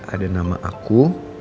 ada nama aku